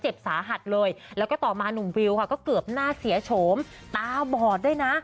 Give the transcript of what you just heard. สาหัสเลยแล้วก็ต่อมาหนุ่มวิวค่ะก็เกือบหน้าเสียโฉมตาบอดด้วยนะ